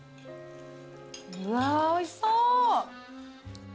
うわおいしそう。